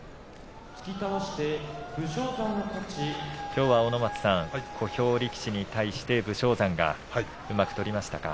きょうは小兵力士に対して武将山がうまく取りましたか？